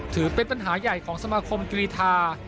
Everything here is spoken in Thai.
ถือเป็นปัญหาใหญ่ของสมาคมกรีธา